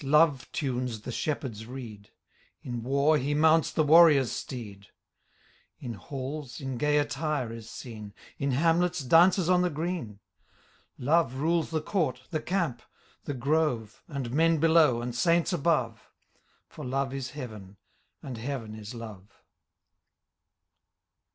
Love tunes the shepherd^s reed ; In war, he mounts the warrior's steed ; In halls, in gay attire is seen ; In hamlets, dances on the green. Love rules the court, the camp, the grove, s Digitized by VjOOQIC fJ4 THl LAY OP ■ OMnto /// And men below, and saints above ; For love is heaven, and heaven is love.